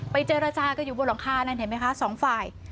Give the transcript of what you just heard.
เจรจากันอยู่บนหลังคานั่นเห็นไหมคะสองฝ่าย